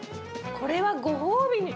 これはご褒美に。